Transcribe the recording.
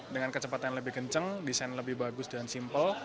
dengan kecepatan yang lebih kencang desain lebih bagus dan simple